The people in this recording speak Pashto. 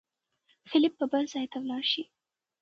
فېلېپ به بل ځای ته ولاړ شي.